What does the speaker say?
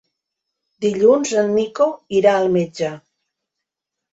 Dilluns en Nico irà al metge.